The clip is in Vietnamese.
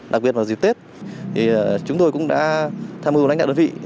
đặc biệt vào dịp tết chúng tôi cũng đã tham mưu đánh đạo đơn vị